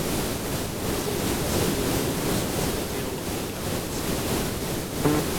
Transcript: Zejména se věnuje kosmické biologii a medicíně.